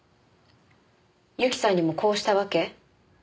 ユキさんにもこうしたわけ？